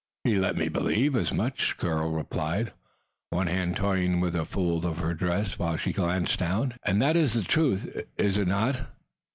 "He let me believe as much," the girl replied, one hand toying with a fold of her dress, while she glanced down. "And that is the truth, is it not?"